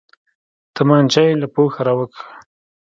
تمانچه يې له پوښه راوکښ.